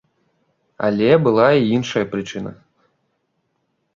Але была і іншая прычына.